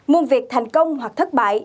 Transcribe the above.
môn việc thành công hoặc thất bại